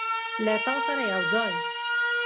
له تا سره یوځای